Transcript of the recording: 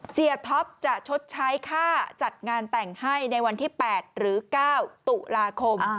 ท็อปจะชดใช้ค่าจัดงานแต่งให้ในวันที่๘หรือ๙ตุลาคม